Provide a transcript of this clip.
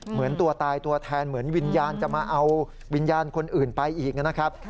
เหมือนตัวตายตัวแทนเหมือนวิญญาณจะมาเอาวิญญาณคนอื่นไปอีกนะครับ